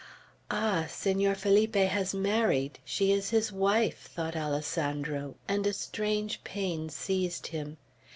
"Ah, Senor Felipe has married. She is his wife," thought Alessandro, and a strange pain seized him.